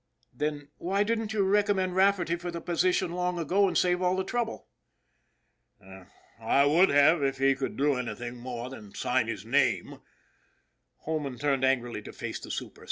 " Then why didn't you recommend Rafferty for the position long ago and save all the trouble ?"" I would have if he could do anything more than sign his name." Holman turned angrily to face the super.